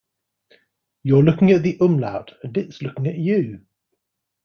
You're looking at the umlaut, and it's looking at you.